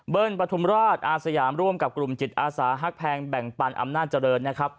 เบิ้ลประธุมราชอาสยามร่วมกับกลุ่มจิตอาสาฮักแพงแบ่งปันอำนาจริง